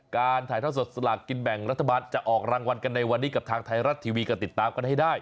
การถ่ายท่อสดสลากกินแบ่งรัฐบาลจะออกรางวัลกันในวันนี้กับทางไทยรัฐทีวีก็ติดตามกันให้ได้